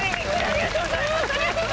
ありがとうございます！